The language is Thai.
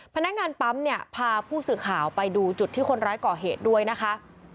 พนักงานปั๊มเนี่ยพาผู้สื่อข่าวไปดูจุดที่คนร้ายก่อเหตุด้วยนะคะ